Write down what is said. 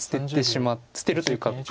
捨てるというか。